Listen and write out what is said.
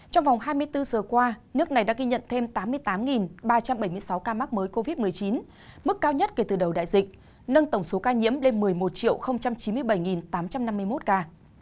trong vòng hai mươi bốn giờ qua nước này đã ghi nhận thêm tám mươi tám ba trăm bảy mươi sáu ca mắc mới covid một mươi chín mức cao nhất kể từ đầu đại dịch nâng tổng số ca nhiễm lên một mươi một chín mươi bảy tám trăm năm mươi một ca